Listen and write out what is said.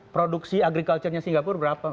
produksi agriculture nya singapura berapa